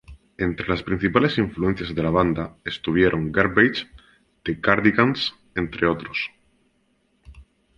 Entre las principales influencias de la banda estuvieron Garbage, The Cardigans, entre otros.